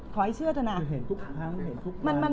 ขอให้เชื่อเถอะนะ